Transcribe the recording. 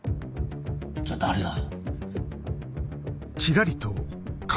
じゃあ誰だ？